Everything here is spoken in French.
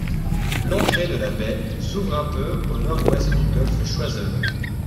L'entrée de la baie s'ouvre un peu au nord-ouest du golfe Choiseul.